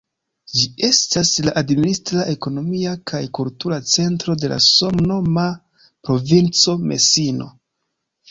Ĝi estas la administra, ekonomia kaj kultura centro de la samnoma provinco Mesino.